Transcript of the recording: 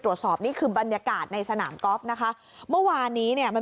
นี่คือบรรยากาศในสนามกอล์ฟนะคะเมื่อวานนี้เนี่ยมัน